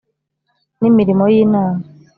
N imirimo y inama